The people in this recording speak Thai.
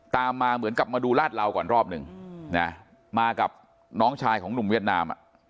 ตามมาเหมือนกับมาดูลาดเหลาก่อนรอบหนึ่งนะมากับน้องชายของหนุ่มเวียดนาม